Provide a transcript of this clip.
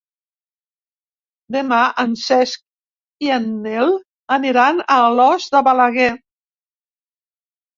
Demà en Cesc i en Nel aniran a Alòs de Balaguer.